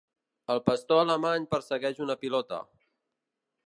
El pastor alemany persegueix una pilota.